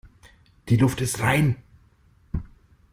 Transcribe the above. Die Luft ist rein.